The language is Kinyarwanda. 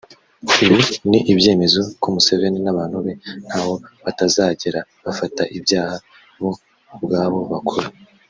Ibi ni ibyemeza ko Museveni n’abantu be ntaho batazagera bafata ibyaha bo ubwabo bakora